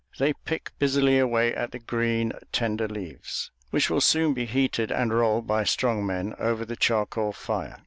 They pick busily away at the green, tender leaves, which will soon be heated and rolled by strong men over the charcoal fire.